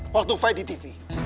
waktu berjuang di tv